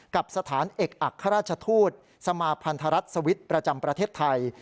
กับสถานเอกอัครราชทูตสมาพันธรัฐสวิทย์ประจำประเทศไทย